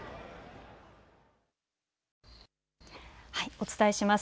お伝えします。